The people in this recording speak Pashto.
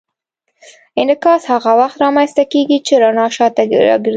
انعکاس هغه وخت رامنځته کېږي چې رڼا شاته راګرځي.